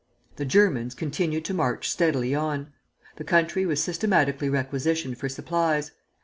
The Germans continued to march steadily on. The country was systematically requisitioned for supplies.